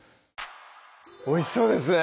おいしそうですね